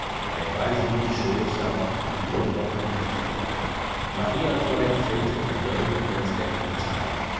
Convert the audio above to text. I advise you to show yourself if you don't want the people to come up." Marie Antoinette fainted on learning her friend's death in this manner.